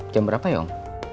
jam berapa ya om